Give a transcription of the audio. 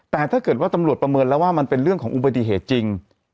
แต่ถ้าเกิดว่าตำรวจประเมินแล้วว่ามันเป็นเรื่องของอุบัติเหตุจริง